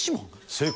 正解。